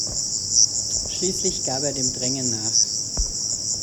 Schließlich gab er dem Drängen nach.